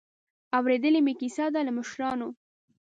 اورېدلې مې کیسه ده له مشرانو.